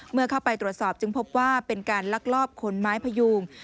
เมื่อเข้าไปตรวจสอบจึงพบว่าเป็นการลักลอบขนไม้พยูง